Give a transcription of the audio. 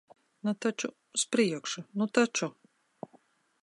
Nu taču, uz priekšu. Nu taču!